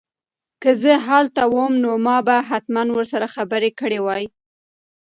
که زه هلته وم نو ما به حتماً ورسره خبرې کړې وای.